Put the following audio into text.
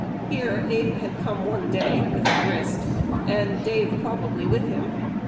Here Abe had come one day with a grist, and Dave probably with him.